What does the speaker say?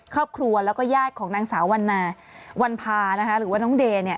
ครอบครัวแล้วก็ญาติของนางสาววันพาหรือว่าน้องเด